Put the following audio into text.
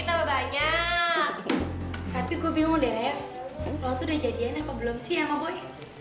tapi gue bingung deh rev lo tuh udah jadian apa belum sih sama boy